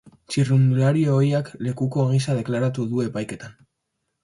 Txirrindulari ohiak lekuko gisa deklaratu du epaiketan.